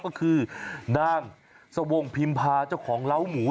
ก็คือนางสวงพิมพาเจ้าของเล้าหมู